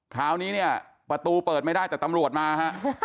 คราวนี้เนี่ยประตูเปิดไม่ได้แต่ตำรวจมาฮะ